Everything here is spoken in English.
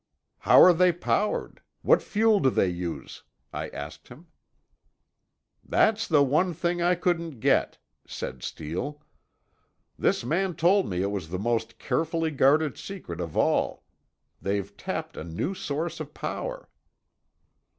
"How are they powered? What fuel do they use?" I asked him. "That's the one thing I couldn't get," said Steele. "This man told me it was the most carefully guarded secret of all. They've tapped a new source of power."